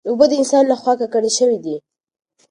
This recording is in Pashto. اوبه د انسان له خوا ککړې شوې دي.